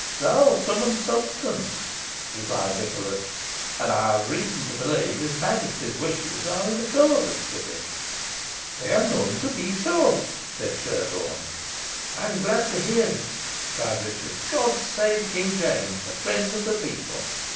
"The whole sum and substance," replied Nicholas; "and I have reason to believe his Majesty's wishes are in accordance with it." "They are known to be so," said Sherborne. "I am glad to hear it," cried Richard. "God save King James, the friend of the people!"